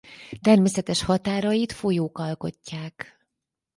Természetes határait folyók alkotják.